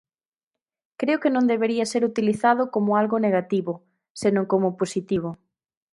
Creo que non debería ser utilizado como algo negativo, senón como positivo.